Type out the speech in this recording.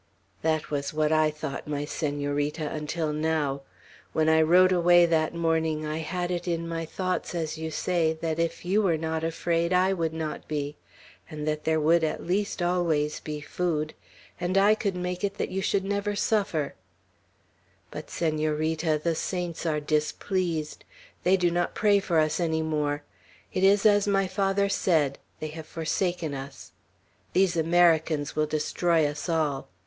"That was what I thought, my Senorita, until now. When I rode away that morning, I had it in my thoughts, as you say, that if you were not afraid, I would not be; and that there would at least always be food, and I could make it that you should never suffer; but, Senorita, the saints are displeased. They do not pray for us any more. It is as my father said, they have forsaken us. These Americans will destroy us all.